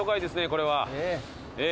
これは。